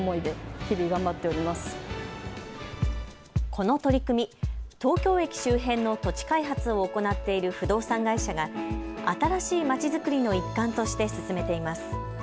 この取り組み、東京駅周辺の土地開発を行っている不動産会社が新しい街づくりの一環として進めています。